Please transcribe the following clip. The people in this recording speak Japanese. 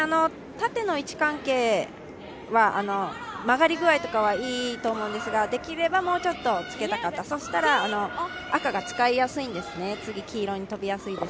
縦の位置関係は曲がりぐあいとかはいいと思うんですが、できればもうちょっと、つけたかった、そしたら赤が使いやすいんですね。